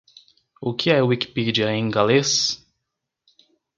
O que é Wikipedia em galês?